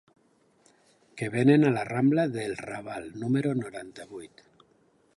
Què venen a la rambla del Raval número noranta-vuit?